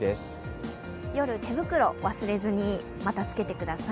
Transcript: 夜、手袋を忘れずにつけてください